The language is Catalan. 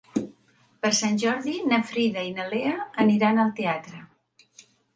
Per Sant Jordi na Frida i na Lea aniran al teatre.